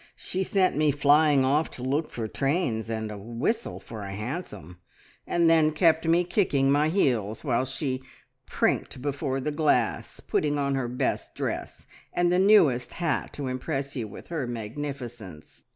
She sent me flying off to look for trains and whistle for a hansom, and then kept me kicking my heels while she prinked before the glass, putting on her best dress and the newest hat to impress you with her magnificence.